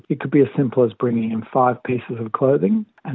jadi bisa jadi semudah membawa lima pakaian